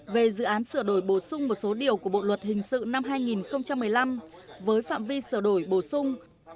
về dự án sửa đổi bổ sung một số điều của bộ luật hình sự năm hai nghìn một mươi năm với phạm vi sửa đổi bổ sung